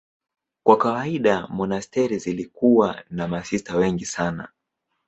Kwa kawaida monasteri zilikuwa na masista wengi sana.